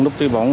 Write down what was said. lúc tư bóng